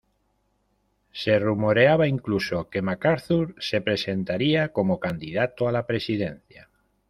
Se rumoreaba incluso que MacArthur se presentaría como candidato a la presidencia.